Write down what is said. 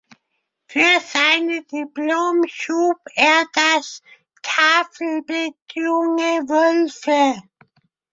Für seine Diplom schuf er das Tafelbild "Junge Wölfe".